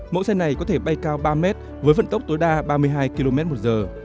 mẫu xe này có thể bay cao ba mét với vận tốc tối đa ba mươi hai km một giờ